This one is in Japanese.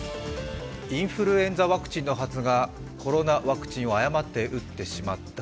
インフルエンザワクチンのはずがコロナワクチンを誤って打ってしまった。